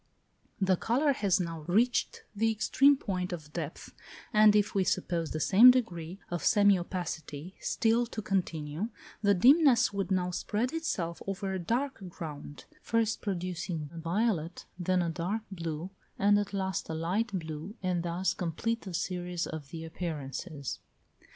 The colour has now reached the extreme point of depth, and if we suppose the same degree of semi opacity still to continue, the dimness would now spread itself over a dark ground, first producing a violet, then a dark blue, and at last a light blue, and thus complete the series of the appearances.